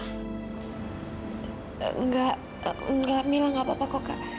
enggak enggak mila enggak apa apa kok kak